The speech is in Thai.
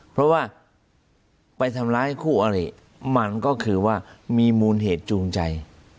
เพราะว่าไปทำร้ายคู่อริมันก็คือว่ามีมูลเหตุจูงใจ